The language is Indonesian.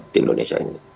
di indonesia ini